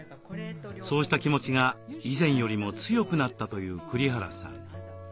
そうした気持ちが以前よりも強くなったという栗原さん。